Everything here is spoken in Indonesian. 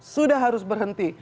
sudah harus berhenti